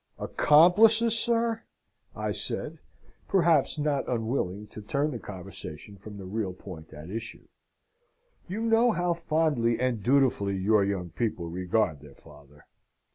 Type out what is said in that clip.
"Accomplices, sir!" I said (perhaps not unwilling to turn the conversation from the real point at issue). "You know how fondly and dutifully your young people regard their father.